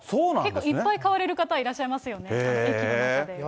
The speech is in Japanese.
結構いっぱい買われる方いらっしゃいますよね、駅の中で。